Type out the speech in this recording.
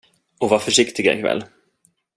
Och var försiktiga i kväll.